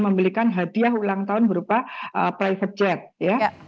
memiliki hadiah ulang tahun berupa private jet ya